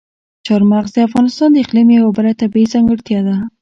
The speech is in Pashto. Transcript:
چار مغز د افغانستان د اقلیم یوه بله طبیعي ځانګړتیا ده.